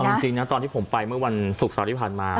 เอาจริงนะตอนที่ผมไปเมื่อวันศุกร์เสาร์ที่ผ่านมา